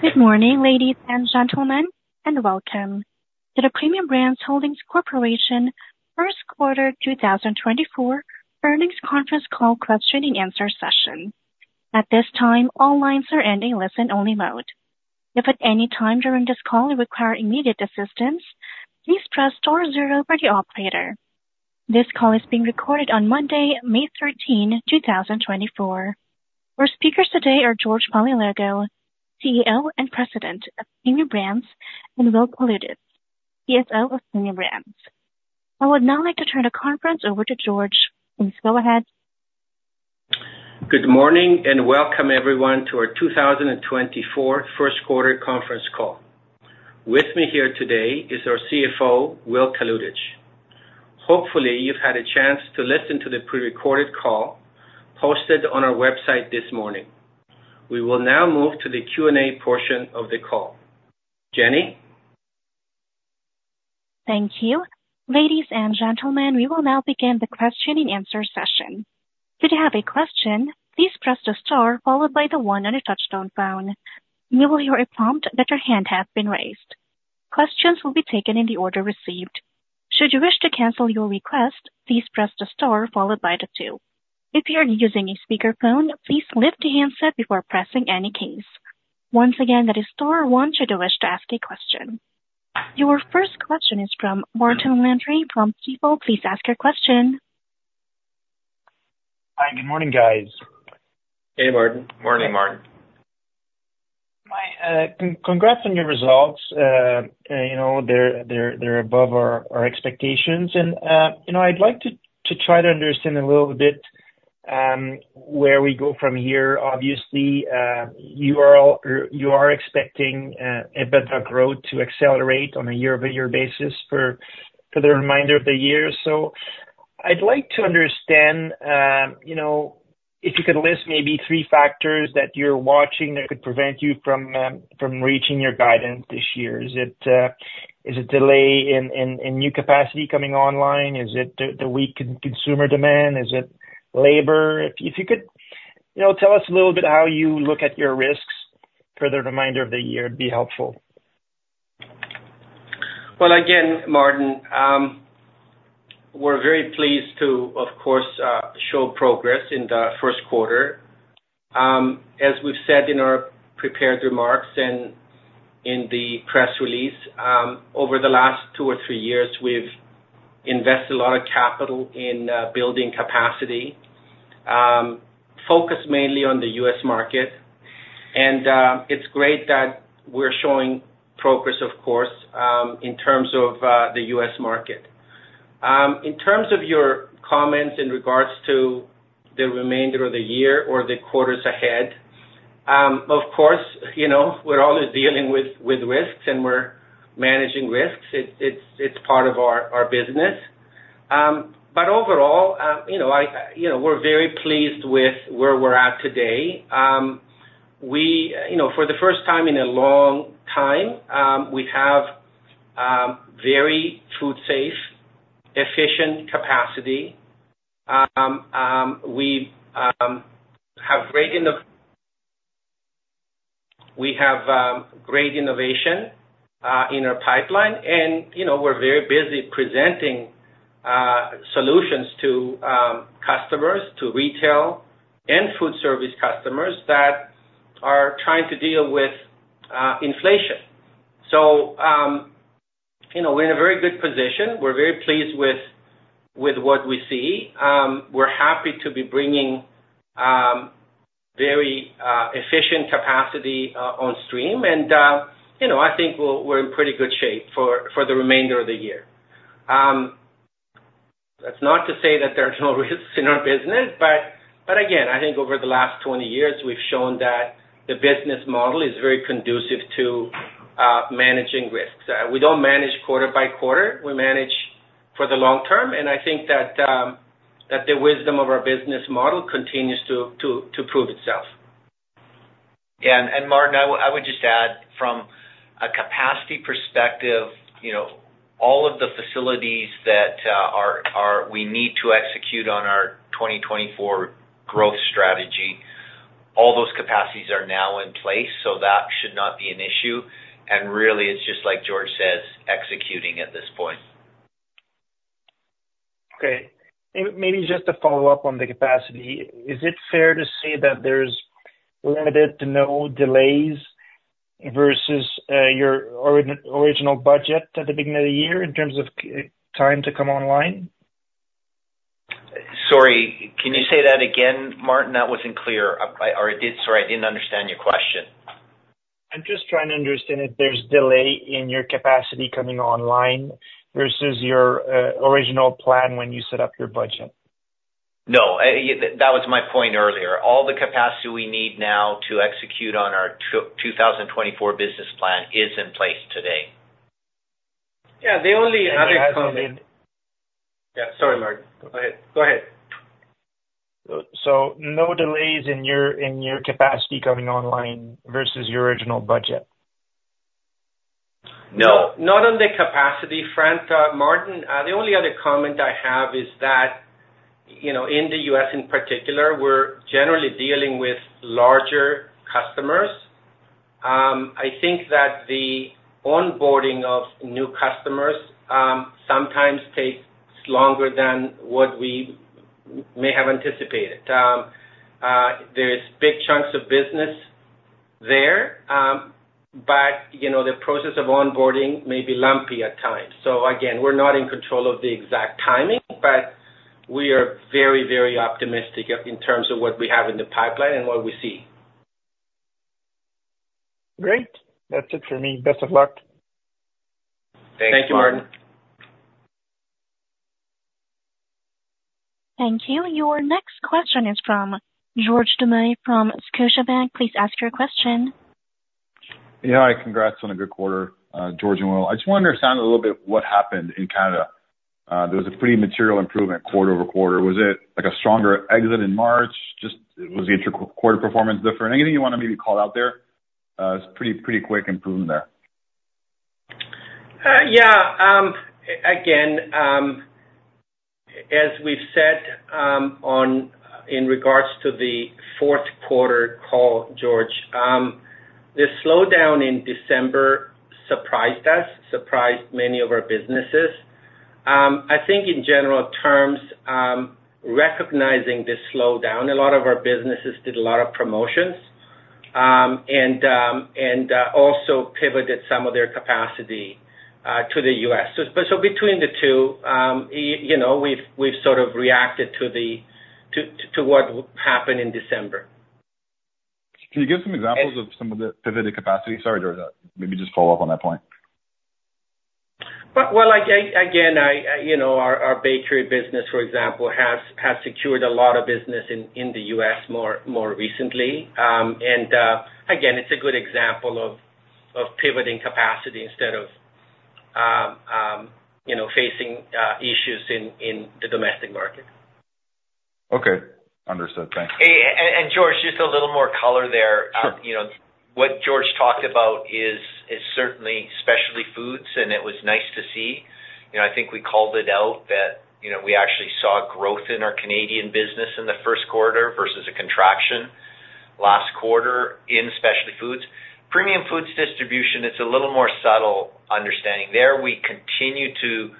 Good morning, ladies and gentlemen, and welcome to the Premium Brands Holdings Corporation Q1 2024 earnings conference call question and answer session. At this time, all lines are in a listen-only mode. If at any time during this call you require immediate assistance, please press star zero for the operator. This call is being recorded on Monday, May 13, 2024. Our speakers today are George Paleologou, CEO and president of Premium Brands, and Will Kalutycz, CFO of Premium Brands. I would now like to turn the conference over to George. Please go ahead. Good morning and welcome, everyone, to our 2024 Q1 conference call. With me here today is our CFO, Will Kalutycz. Hopefully, you've had a chance to listen to the prerecorded call posted on our website this morning. We will now move to the Q&A portion of the call. Jenny? Thank you. Ladies and gentlemen, we will now begin the question and answer session. If you have a question, please press the star followed by the one on your touch-tone phone. You will hear a prompt that your hand has been raised. Questions will be taken in the order received. Should you wish to cancel your request, please press the star followed by the two. If you are using a speakerphone, please lift the handset before pressing any keys. Once again, that is star one should you wish to ask a question. Your first question is from Martin Landry from Stifel. Please ask your question. Hi. Good morning, guys. Hey, Martin. Morning, Martin. Congrats on your results. They're above our expectations. I'd like to try to understand a little bit where we go from here. Obviously, you are expecting a better growth to accelerate on a year-over-year basis for the remainder of the year. I'd like to understand if you could list maybe three factors that you're watching that could prevent you from reaching your guidance this year. Is it delay in new capacity coming online? Is it the weak consumer demand? Is it labor? If you could tell us a little bit how you look at your risks for the remainder of the year, it'd be helpful. Well, again, Martin, we're very pleased to, of course, show progress in the Q1. As we've said in our prepared remarks and in the press release, over the last two or three years, we've invested a lot of capital in building capacity, focused mainly on the U.S. market. And it's great that we're showing progress, of course, in terms of the U.S. market. In terms of your comments in regards to the remainder of the year or the quarters ahead, of course, we're always dealing with risks, and we're managing risks. It's part of our business. But overall, we're very pleased with where we're at today. For the first time in a long time, we have very food safe, efficient capacity. We have great innovation in our pipeline, and we're very busy presenting solutions to customers, to retail and food service customers that are trying to deal with inflation. We're in a very good position. We're very pleased with what we see. We're happy to be bringing very efficient capacity on stream. I think we're in pretty good shape for the remainder of the year. That's not to say that there are no risks in our business. But again, I think over the last 20 years, we've shown that the business model is very conducive to managing risks. We don't manage quarter by quarter. We manage for the long term. I think that the wisdom of our business model continues to prove itself. Yeah. And Martin, I would just add, from a capacity perspective, all of the facilities that we need to execute on our 2024 growth strategy, all those capacities are now in place. So that should not be an issue. And really, it's just like George says, executing at this point. Okay. Maybe just to follow up on the capacity, is it fair to say that there's limited to no delays versus your original budget at the beginning of the year in terms of time to come online? Sorry. Can you say that again, Martin? That wasn't clear. Sorry, I didn't understand your question. I'm just trying to understand if there's delay in your capacity coming online versus your original plan when you set up your budget. No. That was my point earlier. All the capacity we need now to execute on our 2024 business plan is in place today. Yeah. The only other comment. Yeah. Sorry, Martin. Go ahead. Go ahead. No delays in your capacity coming online versus your original budget? No. Not on the capacity front, Martin. The only other comment I have is that in the US, in particular, we're generally dealing with larger customers. I think that the onboarding of new customers sometimes takes longer than what we may have anticipated. There's big chunks of business there, but the process of onboarding may be lumpy at times. So again, we're not in control of the exact timing, but we are very, very optimistic in terms of what we have in the pipeline and what we see. Great. That's it for me. Best of luck. Thanks, Martin. Thank you, Martin. Thank you. Your next question is from George Doumet from Scotiabank. Please ask your question. Yeah. Hi. Congrats on a good quarter, George and Will. I just want to understand a little bit what happened in Canada. There was a pretty material improvement quarter-over-quarter. Was it a stronger exit in March? Was the quarter performance different? Anything you want to maybe call out there? It was pretty quick improvement there. Yeah. Again, as we've said in regards to the Q4 call, George, the slowdown in December surprised us, surprised many of our businesses. I think in general terms, recognizing this slowdown, a lot of our businesses did a lot of promotions and also pivoted some of their capacity to the US. But so between the two, we've sort of reacted to what happened in December. Can you give some examples of some of the pivoted capacity? Sorry, George. Maybe just follow up on that point. Well, again, our bakery business, for example, has secured a lot of business in the U.S. more recently. And again, it's a good example of pivoting capacity instead of facing issues in the domestic market. Okay. Understood. Thanks. George, just a little more color there. What George talked about is certainly Specialty Foods, and it was nice to see. I think we called it out that we actually saw growth in our Canadian business in the Q1 versus a contraction last quarter in Specialty Foods. Premium Foods Distribution, it's a little more subtle understanding. There, we continue to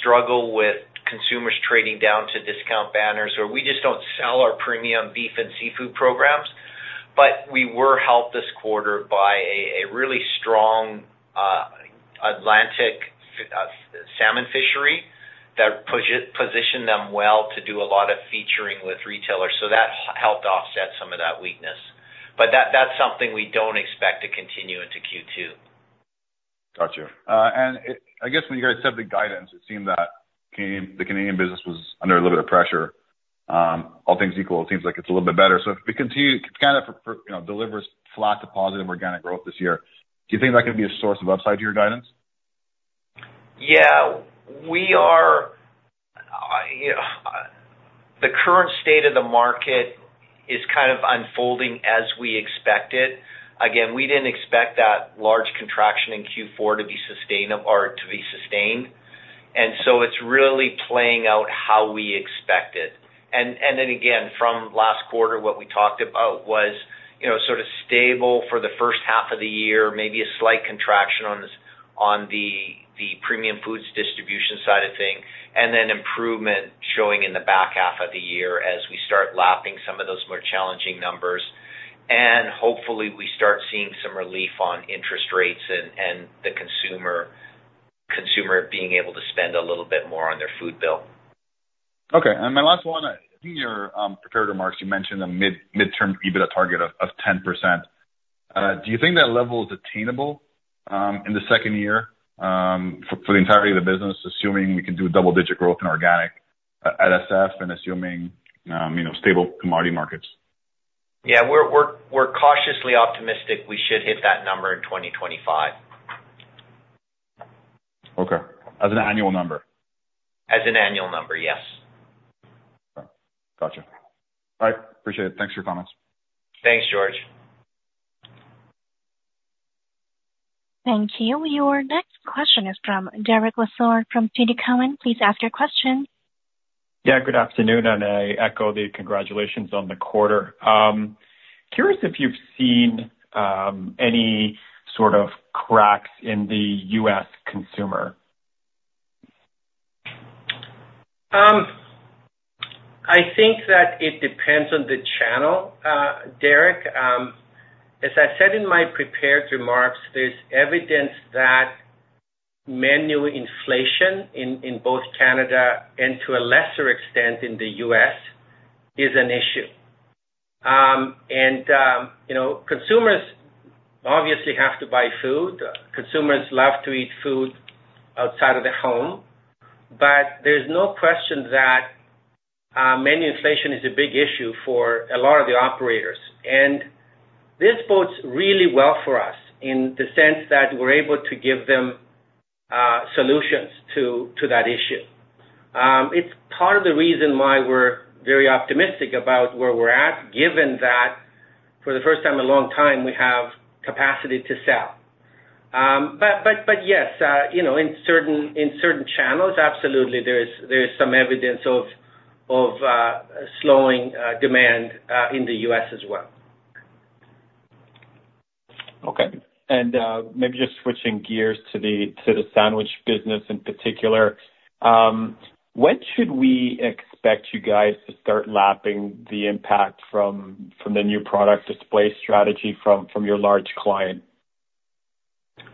struggle with consumers trading down to discount banners, or we just don't sell our premium beef and seafood programs. But we were helped this quarter by a really strong Atlantic salmon fishery that positioned them well to do a lot of featuring with retailers. So that helped offset some of that weakness. But that's something we don't expect to continue into Q2. Gotcha. And I guess when you guys said the guidance, it seemed that the Canadian business was under a little bit of pressure. All things equal, it seems like it's a little bit better. So if Canada delivers flat to positive organic growth this year, do you think that could be a source of upside to your guidance? Yeah. The current state of the market is kind of unfolding as we expect it. Again, we didn't expect that large contraction in Q4 to be sustainable or to be sustained. And so it's really playing out how we expect it. And then again, from last quarter, what we talked about was sort of stable for the first half of the year, maybe a slight contraction on the Premium Foods Distribution side of thing, and then improvement showing in the back half of the year as we start lapping some of those more challenging numbers. And hopefully, we start seeing some relief on interest rates and the consumer being able to spend a little bit more on their food bill. Okay. And my last one, in your prepared remarks, you mentioned a midterm EBITDA target of 10%. Do you think that level is attainable in the second year for the entirety of the business, assuming we can do double-digit growth in organic at SF and assuming stable commodity markets? Yeah. We're cautiously optimistic we should hit that number in 2025. Okay. As an annual number? As an annual number, yes. Gotcha. All right. Appreciate it. Thanks for your comments. Thanks, George. Thank you. Your next question is from Derek Lessard from TD Cowen. Please ask your question. Yeah. Good afternoon. I echo the congratulations on the quarter. Curious if you've seen any sort of cracks in the U.S. consumer. I think that it depends on the channel, Derek. As I said in my prepared remarks, there's evidence that menu inflation in both Canada and to a lesser extent in the U.S. is an issue. Consumers obviously have to buy food. Consumers love to eat food outside of the home. But there's no question that menu inflation is a big issue for a lot of the operators. This bodes really well for us in the sense that we're able to give them solutions to that issue. It's part of the reason why we're very optimistic about where we're at, given that for the first time in a long time, we have capacity to sell. But yes, in certain channels, absolutely, there is some evidence of slowing demand in the U.S. as well. Okay. Maybe just switching gears to the sandwich business in particular, when should we expect you guys to start lapping the impact from the new product display strategy from your large client?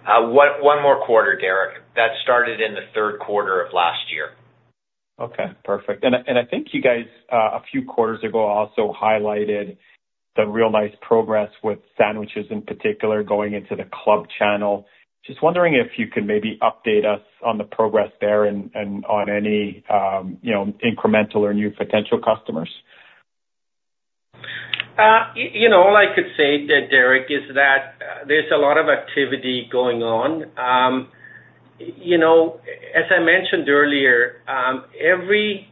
One more quarter, Derek. That started in the Q3 of last year. Okay. Perfect. And I think you guys a few quarters ago also highlighted some real nice progress with sandwiches in particular going into the club channel. Just wondering if you can maybe update us on the progress there and on any incremental or new potential customers? All I could say, Derek, is that there's a lot of activity going on. As I mentioned earlier, every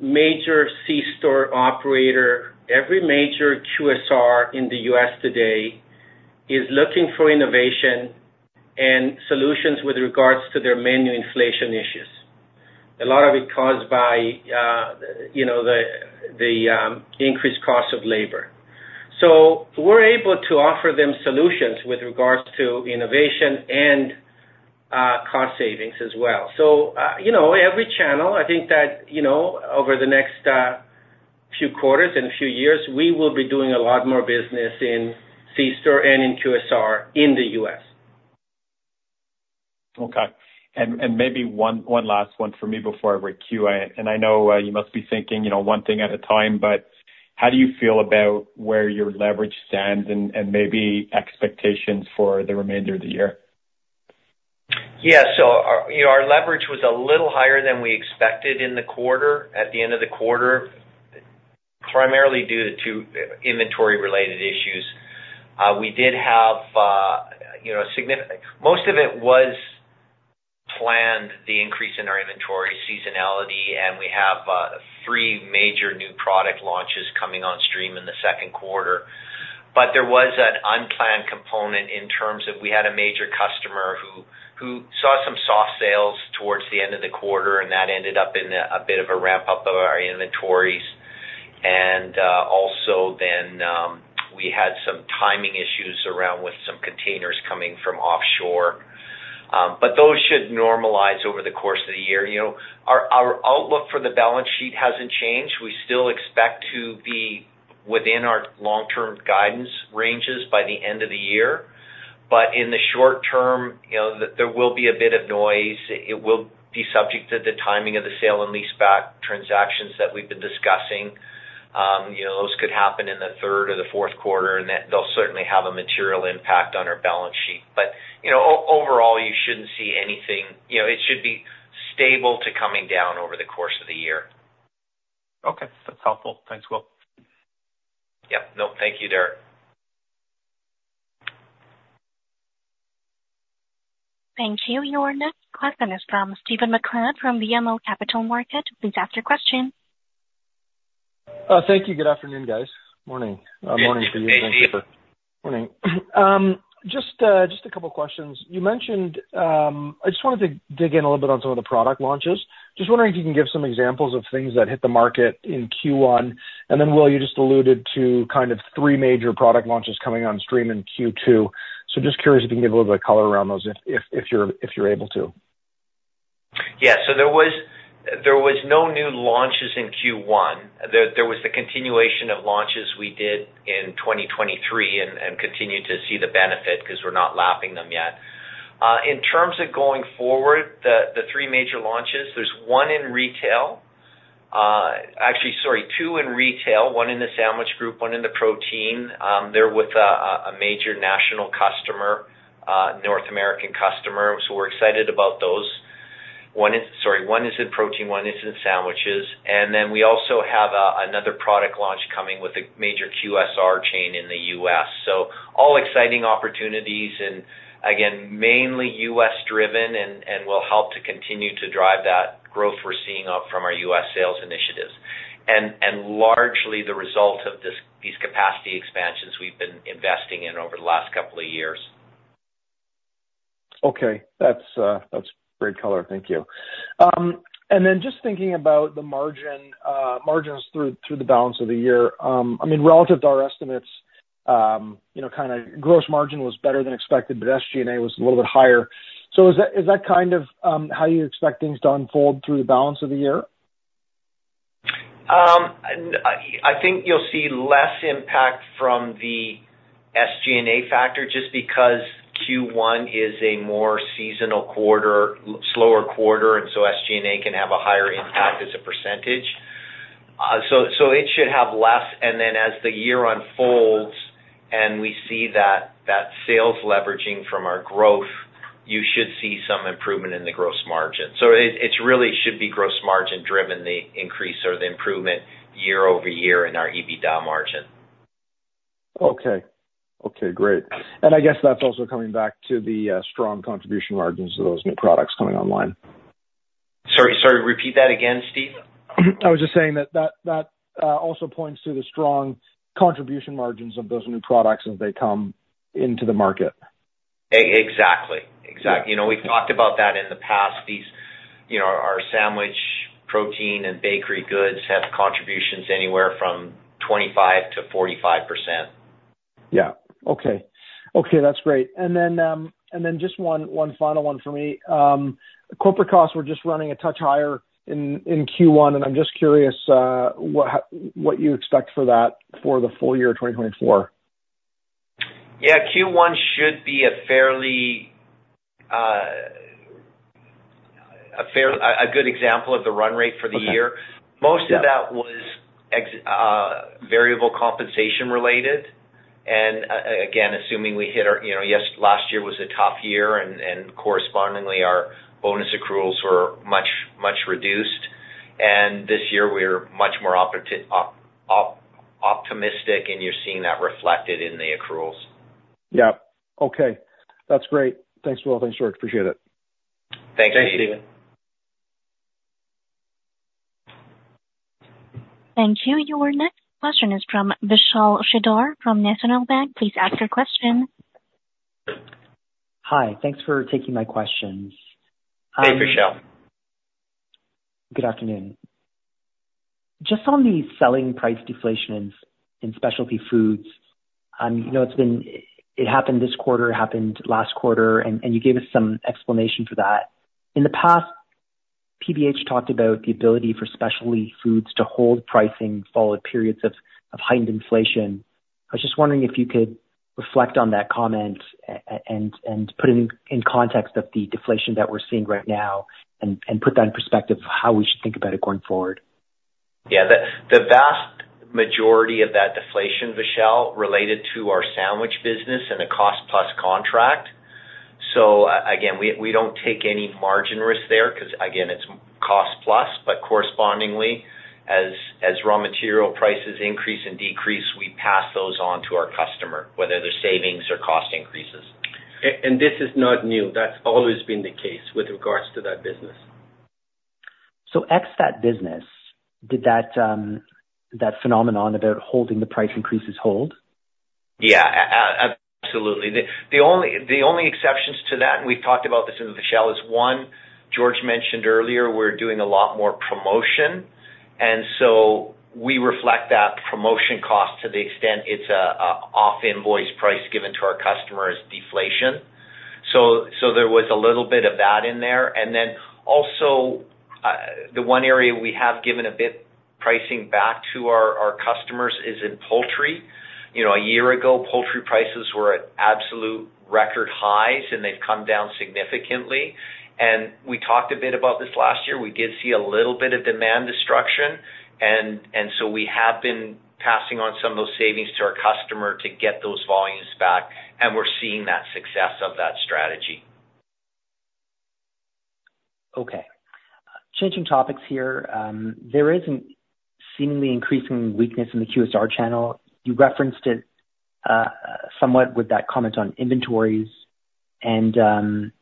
major C-store operator, every major QSR in the U.S. today is looking for innovation and solutions with regards to their menu inflation issues. A lot of it caused by the increased cost of labor. So we're able to offer them solutions with regards to innovation and cost savings as well. So every channel, I think that over the next few quarters and few years, we will be doing a lot more business in C-store and in QSR in the U.S. Okay. Maybe one last one for me before I queue it. I know you must be thinking one thing at a time, but how do you feel about where your leverage stands and maybe expectations for the remainder of the year? Yeah. So our leverage was a little higher than we expected at the end of the quarter, primarily due to inventory-related issues. We did have a significant, most of it was planned, the increase in our inventory seasonality. And we have 3 major new product launches coming on stream in the Q2. But there was an unplanned component in terms of we had a major customer who saw some soft sales towards the end of the quarter, and that ended up in a bit of a ramp-up of our inventories. And also then, we had some timing issues around with some containers coming from offshore. But those should normalize over the course of the year. Our outlook for the balance sheet hasn't changed. We still expect to be within our long-term guidance ranges by the end of the year. But in the short term, there will be a bit of noise. It will be subject to the timing of the sale and lease-back transactions that we've been discussing. Those could happen in the third or the Q4, and they'll certainly have a material impact on our balance sheet. But overall, you shouldn't see anything, it should be stable to coming down over the course of the year. Okay. That's helpful. Thanks, Will. Yep. Nope. Thank you, Derek. Thank you. Your next question is from Stephen MacLeod from BMO Capital Markets. Please ask your question. Thank you. Good afternoon, guys. Morning. Good morning for you. Good morning. Just a couple of questions. I just wanted to dig in a little bit on some of the product launches. Just wondering if you can give some examples of things that hit the market in Q1. And then, Will, you just alluded to kind of three major product launches coming on stream in Q2. So just curious if you can give a little bit of color around those if you're able to. Yeah. So there was no new launches in Q1. There was the continuation of launches we did in 2023 and continue to see the benefit because we're not lapping them yet. In terms of going forward, the three major launches, there's one in retail actually, sorry, two in retail, one in the sandwich group, one in the protein group. They're with a major national customer, North American customer. So we're excited about those. Sorry, one is in protein group. One is in sandwiches. And then we also have another product launch coming with a major QSR chain in the U.S. So all exciting opportunities and, again, mainly U.S.-driven and will help to continue to drive that growth we're seeing from our U.S. sales initiatives and largely the result of these capacity expansions we've been investing in over the last couple of years. Okay. That's great color. Thank you. And then just thinking about the margins through the balance of the year, I mean, relative to our estimates, kind of gross margin was better than expected, but SG&A was a little bit higher. So is that kind of how you expect things to unfold through the balance of the year? I think you'll see less impact from the SG&A factor just because Q1 is a more seasonal quarter, slower quarter, and so SG&A can have a higher impact as a percentage. So it should have less. And then as the year unfolds and we see that sales leveraging from our growth, you should see some improvement in the gross margin. So it really should be gross margin-driven, the increase or the improvement year-over-year in our EBITDA margin. Okay. Okay. Great. I guess that's also coming back to the strong contribution margins of those new products coming online. Sorry. Repeat that again, Steve? I was just saying that that also points to the strong contribution margins of those new products as they come into the market. Exactly. Exactly. We've talked about that in the past. Our sandwich, protein, and bakery goods have contributions anywhere from 25%-45%. Yeah. Okay. Okay. That's great. And then just one final one for me. Corporate costs, we're just running a touch higher in Q1, and I'm just curious what you expect for that for the full year of 2024. Yeah. Q1 should be a fairly good example of the run rate for the year. Most of that was variable compensation-related. And again, assuming we hit our yes, last year was a tough year, and correspondingly, our bonus accruals were much reduced. And this year, we're much more optimistic, and you're seeing that reflected in the accruals. Yep. Okay. That's great. Thanks, Will. Thanks, George. Appreciate it. Thanks, Stephen. Thanks, Stephen. Thank you. Your next question is from Vishal Shreedhar from National Bank Financial. Please ask your question. Hi. Thanks for taking my questions. Hey, Vishal. Good afternoon. Just on the selling price deflation in Specialty Foods, it happened this quarter, it happened last quarter, and you gave us some explanation for that. In the past, PBH talked about the ability for Specialty Foods to hold pricing following periods of heightened inflation. I was just wondering if you could reflect on that comment and put it in context of the deflation that we're seeing right now and put that in perspective of how we should think about it going forward. Yeah. The vast majority of that deflation, Vishal, related to our sandwich business and a cost-plus contract. So again, we don't take any margin risk there because, again, it's cost-plus. But correspondingly, as raw material prices increase and decrease, we pass those on to our customer, whether they're savings or cost increases. This is not new. That's always been the case with regards to that business. Ex that business, did that phenomenon about holding the price increases hold? Yeah. Absolutely. The only exceptions to that, and we've talked about this with Vishal, is one, George mentioned earlier, we're doing a lot more promotion. And so we reflect that promotion cost to the extent it's an off-invoice price given to our customers, deflation. So there was a little bit of that in there. And then also, the one area we have given a bit pricing back to our customers is in poultry. A year ago, poultry prices were at absolute record highs, and they've come down significantly. And we talked a bit about this last year. We did see a little bit of demand destruction. And so we have been passing on some of those savings to our customer to get those volumes back, and we're seeing that success of that strategy. Okay. Changing topics here, there is a seemingly increasing weakness in the QSR channel. You referenced it somewhat with that comment on inventories, and some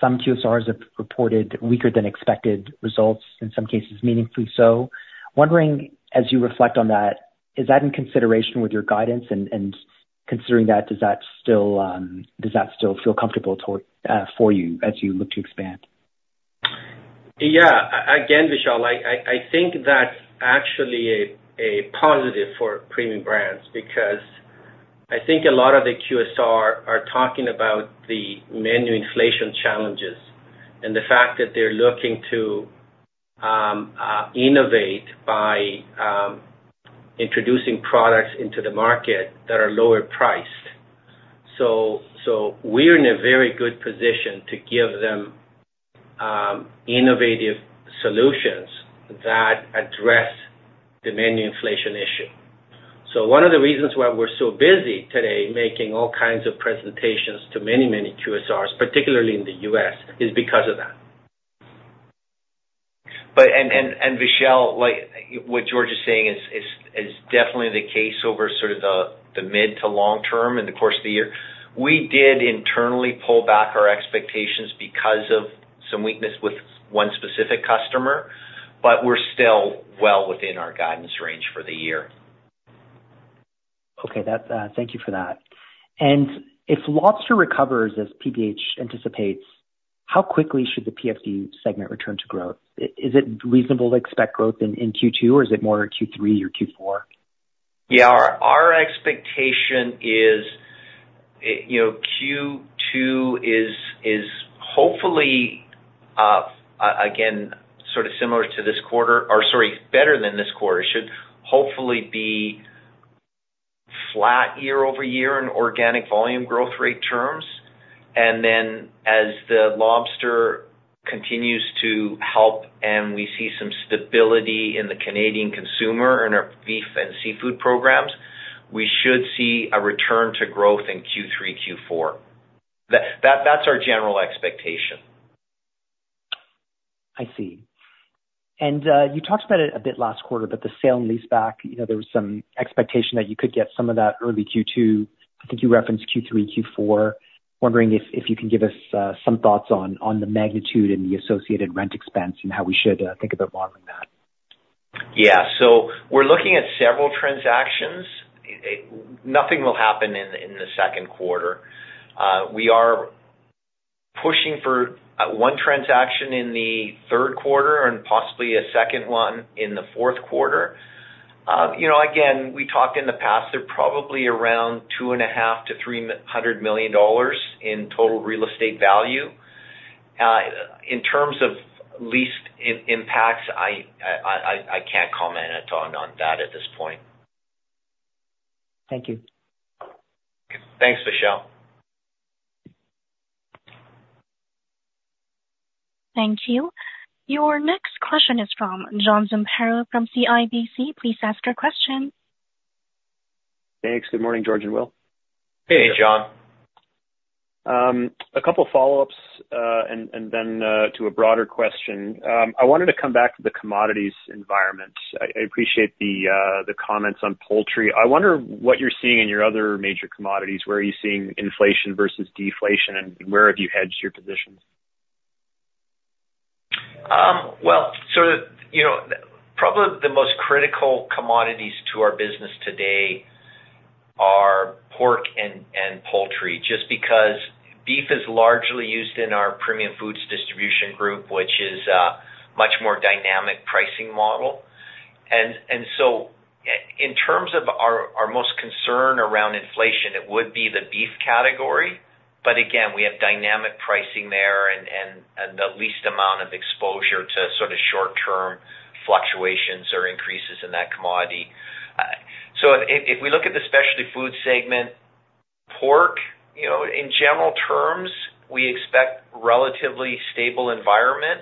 QSRs have reported weaker than expected results, in some cases meaningfully so. Wondering, as you reflect on that, is that in consideration with your guidance? And considering that, does that still feel comfortable for you as you look to expand? Yeah. Again, Vishal, I think that's actually a positive for Premium Brands because I think a lot of the QSR are talking about the menu inflation challenges and the fact that they're looking to innovate by introducing products into the market that are lower priced. So we're in a very good position to give them innovative solutions that address the menu inflation issue. So one of the reasons why we're so busy today making all kinds of presentations to many, many QSRs, particularly in the U.S., is because of that. And Vishal, what George is saying is definitely the case over sort of the mid to long term in the course of the year. We did internally pull back our expectations because of some weakness with one specific customer, but we're still well within our guidance range for the year. Okay. Thank you for that. And if lobster recovers, as PBH anticipates, how quickly should the PFD segment return to growth? Is it reasonable to expect growth in Q2, or is it more Q3 or Q4? Yeah. Our expectation is Q2 is hopefully, again, sort of similar to this quarter or sorry, better than this quarter, should hopefully be flat year-over-year in organic volume growth rate terms. And then as the lobster continues to help and we see some stability in the Canadian consumer in our beef and seafood programs, we should see a return to growth in Q3, Q4. That's our general expectation. I see. And you talked about it a bit last quarter, but the sale and lease-back, there was some expectation that you could get some of that early Q2. I think you referenced Q3, Q4. Wondering if you can give us some thoughts on the magnitude and the associated rent expense and how we should think about modeling that. Yeah. We're looking at several transactions. Nothing will happen in the Q2. We are pushing for one transaction in the Q3 and possibly a second one in the Q4. Again, we talked in the past, they're probably around 250 million-300 million dollars in total real estate value. In terms of lease impacts, I can't comment at all on that at this point. Thank you. Thanks, Vishal. Thank you. Your next question is from John Zamparo from CIBC. Please ask your question. Thanks. Good morning, George and Will. Hey, John. A couple of follow-ups and then to a broader question. I wanted to come back to the commodities environment. I appreciate the comments on poultry. I wonder what you're seeing in your other major commodities. Where are you seeing inflation versus deflation, and where have you hedged your positions? Well, sort of probably the most critical commodities to our business today are pork and poultry just because beef is largely used in our Premium Foods Distribution group, which is a much more dynamic pricing model. And so in terms of our most concern around inflation, it would be the beef category. But again, we have dynamic pricing there and the least amount of exposure to sort of short-term fluctuations or increases in that commodity. So if we look at the Specialty Foods segment, pork, in general terms, we expect relatively stable environment.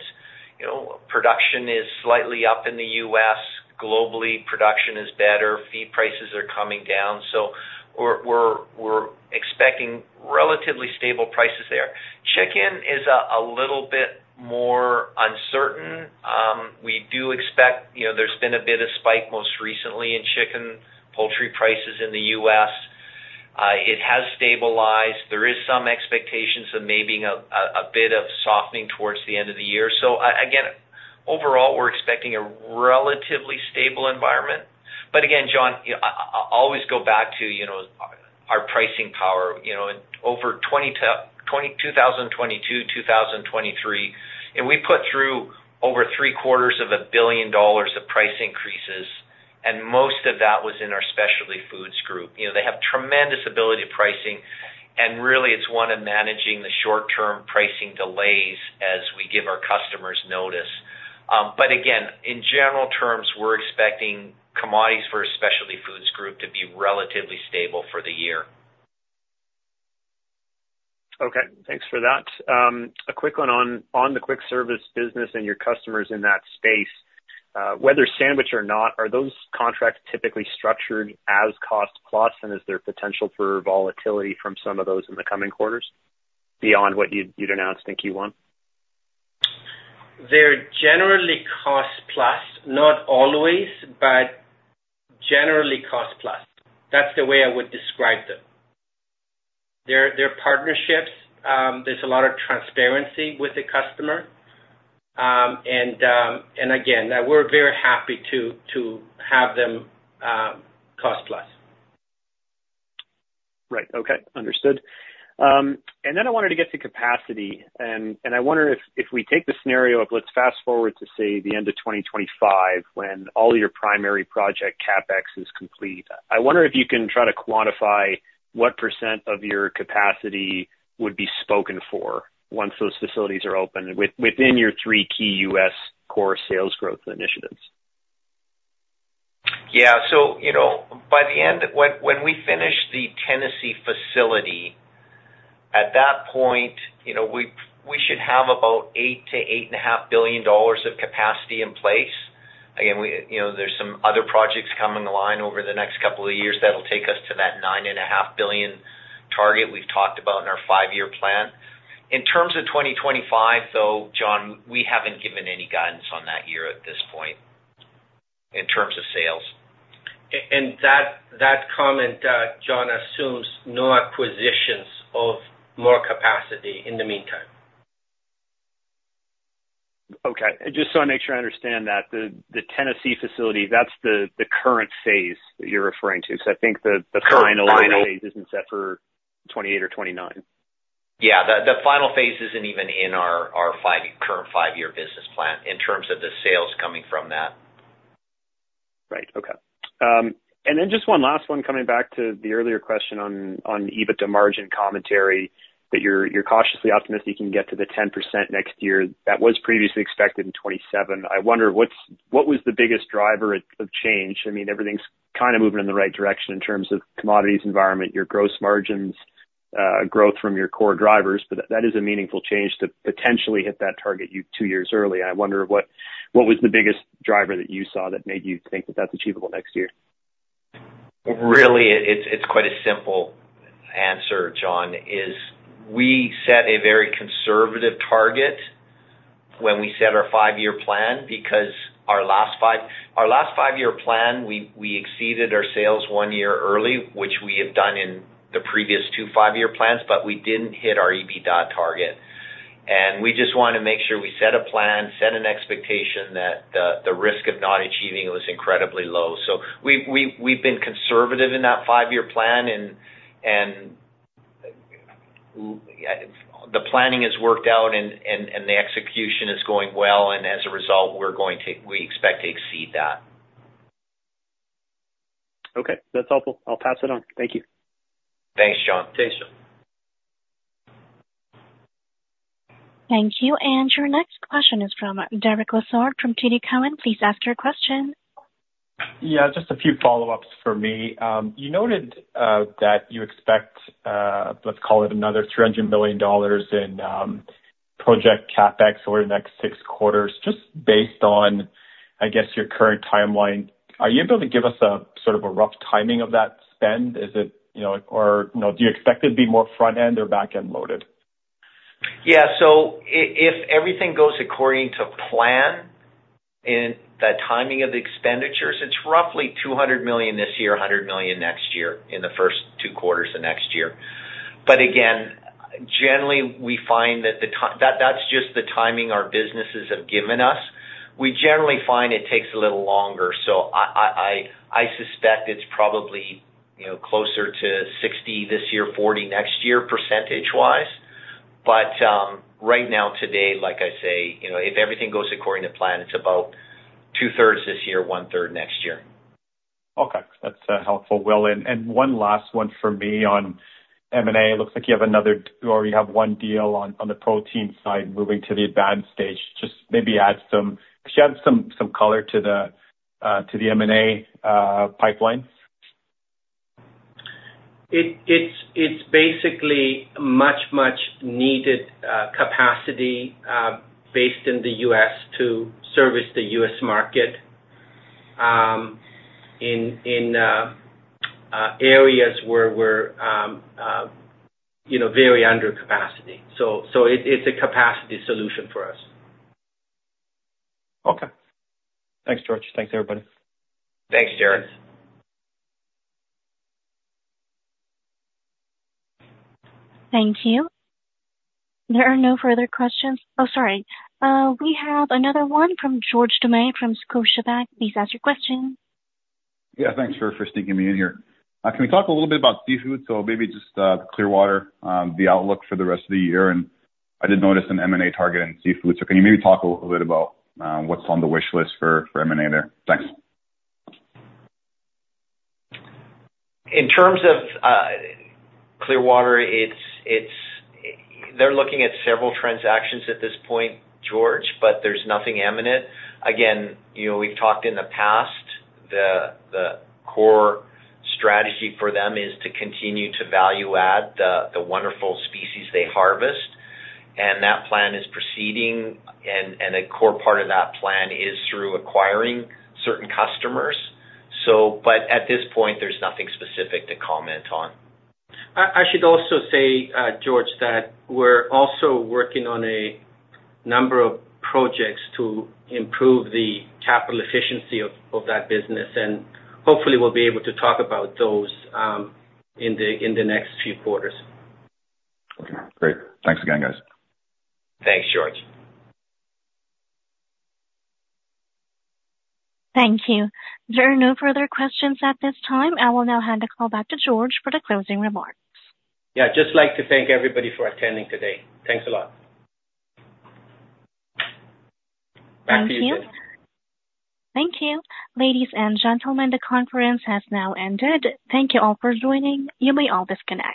Production is slightly up in the U.S. Globally, production is better. Feed prices are coming down. So we're expecting relatively stable prices there. Chicken is a little bit more uncertain. We do expect there's been a bit of spike most recently in chicken poultry prices in the U.S. It has stabilized. There is some expectations of maybe a bit of softening towards the end of the year. So again, overall, we're expecting a relatively stable environment. But again, John, I'll always go back to our pricing power. Over 2022, 2023, and we put through over 750 million dollars of price increases, and most of that was in our Specialty Foods group. They have tremendous ability to pricing, and really, it's one of managing the short-term pricing delays as we give our customers notice. But again, in general terms, we're expecting commodities for our Specialty Foods group to be relatively stable for the year. Okay. Thanks for that. A quick one on the quick service business and your customers in that space. Whether sandwich or not, are those contracts typically structured as cost-plus, and is there potential for volatility from some of those in the coming quarters beyond what you'd announced in Q1? They're generally cost-plus, not always, but generally cost-plus. That's the way I would describe them. They're partnerships. There's a lot of transparency with the customer. And again, we're very happy to have them cost-plus. Right. Okay. Understood. And then I wanted to get to capacity. And I wonder if we take the scenario of let's fast forward to, say, the end of 2025 when all your primary project capex is complete. I wonder if you can try to quantify what percent of your capacity would be spoken for once those facilities are open within your three key U.S. core sales growth initiatives. Yeah. So by the end, when we finish the Tennessee facility, at that point, we should have about 8 billion-8.5 billion dollars of capacity in place. Again, there's some other projects coming along over the next couple of years that'll take us to that 9.5 billion target we've talked about in our five-year plan. In terms of 2025, though, John, we haven't given any guidance on that year at this point in terms of sales. That comment, John, assumes no acquisitions of more capacity in the meantime. Okay. Just so I make sure I understand that, the Tennessee facility, that's the current phase that you're referring to because I think the final phase isn't set for 2028 or 2029. Yeah. The final phase isn't even in our current five-year business plan in terms of the sales coming from that. Right. Okay. And then just one last one, coming back to the earlier question on EBITDA margin commentary that you're cautiously optimistic you can get to the 10% next year. That was previously expected in 2027. I wonder, what was the biggest driver of change? I mean, everything's kind of moving in the right direction in terms of commodities environment, your gross margins, growth from your core drivers, but that is a meaningful change to potentially hit that target two years early. I wonder, what was the biggest driver that you saw that made you think that that's achievable next year? Really, it's quite a simple answer, John, is we set a very conservative target when we set our five-year plan because our last five-year plan, we exceeded our sales one year early, which we have done in the previous two five-year plans, but we didn't hit our EBITDA target. And we just want to make sure we set a plan, set an expectation that the risk of not achieving it was incredibly low. So we've been conservative in that five-year plan, and the planning has worked out, and the execution is going well. And as a result, we expect to exceed that. Okay. That's helpful. I'll pass it on. Thank you. Thanks, John. Thanks, John. Thank you. Your next question is from Derek Lessard from TD Cowen. Please ask your question. Yeah. Just a few follow-ups for me. You noted that you expect, let's call it, another 300 million dollars in project capex over the next six quarters. Just based on, I guess, your current timeline, are you able to give us sort of a rough timing of that spend? Or do you expect it to be more front-end or back-end loaded? Yeah. So if everything goes according to plan in that timing of the expenditures, it's roughly 200 million this year, 100 million next year in the first two quarters of next year. But again, generally, we find that that's just the timing our businesses have given us. We generally find it takes a little longer. So I suspect it's probably closer to 60% this year, 40% next year percentage-wise. But right now, today, like I say, if everything goes according to plan, it's about two-thirds this year, one-third next year. Okay. That's helpful, Will. One last one for me on M&A. It looks like you have another or you have one deal on the protein side moving to the advanced stage. Just maybe add some color to the M&A pipeline? It's basically much, much needed capacity based in the U.S. to service the U.S. market in areas where we're very under capacity. So it's a capacity solution for us. Okay. Thanks, George. Thanks, everybody. Thanks, Derek. Thank you. There are no further questions. Oh, sorry. We have another one from George Doumet from Scotiabank. Please ask your question. Yeah. Thanks for sticking me in here. Can we talk a little bit about seafood? So maybe just Clearwater, the outlook for the rest of the year. And I did notice an M&A target in seafood. So can you maybe talk a little bit about what's on the wish list for M&A there? Thanks. In terms of Clearwater, they're looking at several transactions at this point, George, but there's nothing imminent. Again, we've talked in the past. The core strategy for them is to continue to value-add the wonderful species they harvest. That plan is proceeding, and a core part of that plan is through acquiring certain customers. At this point, there's nothing specific to comment on. I should also say, George, that we're also working on a number of projects to improve the capital efficiency of that business. Hopefully, we'll be able to talk about those in the next few quarters. Okay. Great. Thanks again, guys. Thanks, George. Thank you. There are no further questions at this time. I will now hand the call back to George for the closing remarks. Yeah. Just like to thank everybody for attending today. Thanks a lot. Back to you, David. Thank you. Thank you. Ladies and gentlemen, the conference has now ended. Thank you all for joining. You may all disconnect.